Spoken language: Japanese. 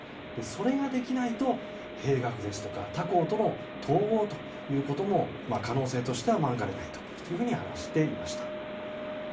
それができないと閉学ですとか他校との統合ということも可能性としては免れないと話していました。